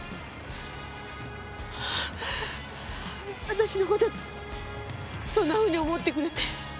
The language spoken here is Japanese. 私の事そんなふうに思ってくれて。